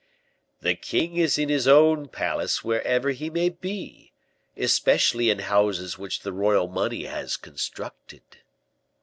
"The king is in his own palace wherever he may be especially in houses which the royal money has constructed."